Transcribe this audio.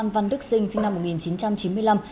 văn đức sinh sinh năm một nghìn chín trăm chín mươi năm